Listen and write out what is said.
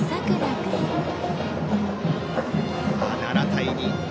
７対２。